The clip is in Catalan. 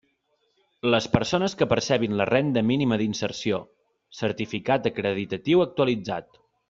Les persones que percebin la Renda Mínima d'Inserció: certificat acreditatiu actualitzat.